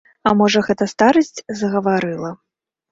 А можа гэта старасць загаварыла?